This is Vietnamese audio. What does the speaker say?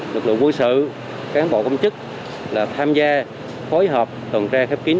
lực lượng quân sự cán bộ công chức tham gia phối hợp tuần trai khép kín